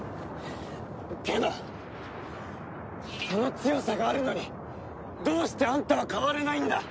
けどその強さがあるのにどうしてあんたは変われないんだ？